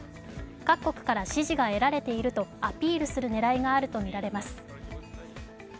各国から支持が得られているとアピールする狙いがあるとみられています。